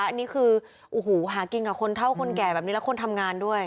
อันนี้คือโอ้โหหากินกับคนเท่าคนแก่แบบนี้และคนทำงานด้วย